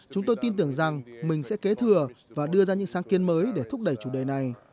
chúng tôi tin tưởng rằng mình sẽ kế thừa và đưa ra những sáng kiến mới để thúc đẩy chủ đề này